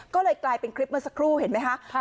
ก็เลยกลายเป็นคลิปเมื่อสักครู่เห็นไหมคะ